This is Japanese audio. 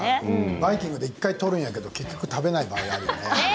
バイキングで１回取るけど結局食べない場合があるよね。